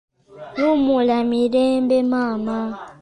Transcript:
Wummula mirembe Maama!